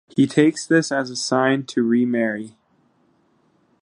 He takes this as a sign to remarry.